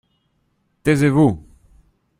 Taisez-vous.